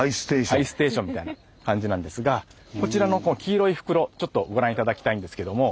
灰ステーションみたいな感じなんですがこちらのこの黄色い袋ちょっとご覧頂きたいんですけども。